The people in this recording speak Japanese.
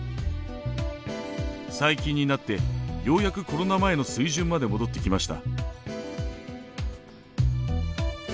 最近になってようやくコロナ前の水準まで戻ってきました。